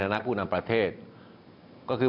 วันนี้นั้นผมจะมาพูดคุยกับทุกท่าน